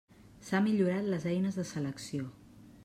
S'ha millorat les eines de selecció.